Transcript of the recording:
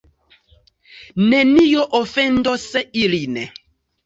Neniu ofendos ilin.